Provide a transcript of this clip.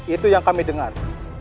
itu yang kami dengar